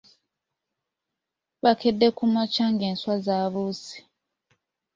Bakedde ku makya ng'enswa zaabuuse.